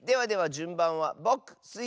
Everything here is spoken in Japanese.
じゅんばんはぼくスイ